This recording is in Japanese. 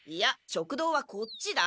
食堂はこっちだ！